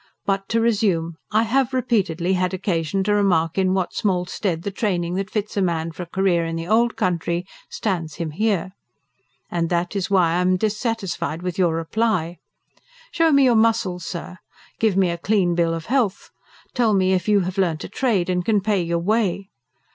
But to resume. I have repeatedly had occasion to remark in what small stead the training that fits a man for a career in the old country stands him here. And that is why I am dissatisfied with your reply. Show me your muscles, sir, give me a clean bill of health, tell me if you have learnt a trade and can pay your way.